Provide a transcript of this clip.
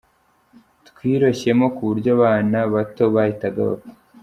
Twiroshyemo ku buryo abana bato bahitaga bapfa.